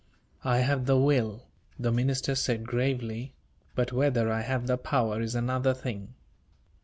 "I have the will," the minister said, gravely, "but whether I have the power is another thing.